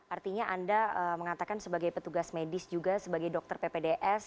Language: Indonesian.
artinya anda mengatakan sebagai petugas medis juga sebagai dokter ppds